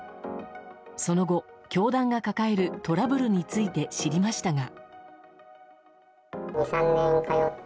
その後、教団が抱えるトラブルについて知りましたが。